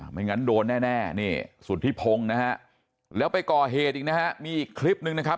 ไม่งั้นโดนแน่นี่สุธิพงศ์นะฮะแล้วไปก่อเหตุอีกนะฮะมีอีกคลิปนึงนะครับ